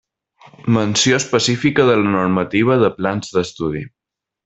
Menció específica de la normativa de plans d'estudi.